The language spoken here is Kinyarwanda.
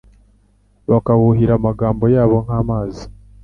bakawuhira amagambo yabo nk’amazi